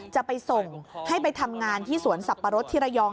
จะไปส่งให้ไปทำงานที่สวนสับปะรดที่ระยอง